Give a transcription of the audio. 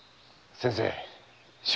先生。